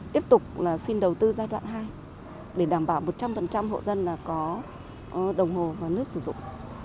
tiếp tục xin đầu tư giai đoạn hai để đảm bảo một trăm linh hộ dân có đồng hồ và nước sử dụng